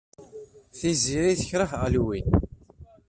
Tiziri tekṛeh Halloween.